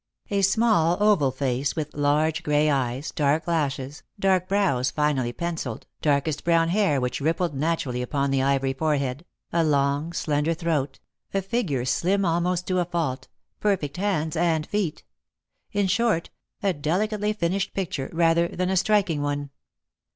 A small oval face, with large gray eyes, dark lashes, dark brows finely pencilled, darkest brown hair which rippled naturally upon the ivory forehead, a long slender throat, a figure slim almost to a fault, perfect hands and feet — in short, a delicately finished picture rather than a striking one.